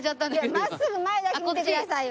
真っすぐ前だけ見てくださいよ。